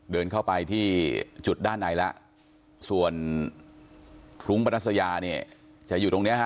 เดินเข้าไปที่จุดด้านในแล้วส่วนภูมิประนัสยาจะอยู่ตรงนี้